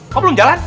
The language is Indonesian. kok belum jalan